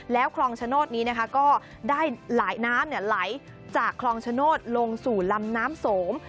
แล้วคลองชโนธนี้นะคะก็ได้หลายน้ำไหลจากคลองชโนธลงสู่ลำน้ำโสม